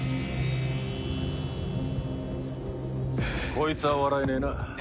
こいつは笑えねえな。